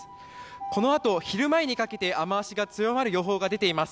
この後、昼前にかけて雨脚が強まる予報が出ています。